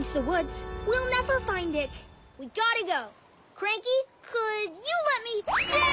クランキー？